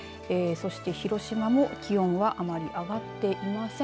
そして広島も気温はあまり上がっていません。